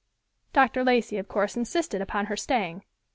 Dr. Lacey, of course, insisted upon her staying.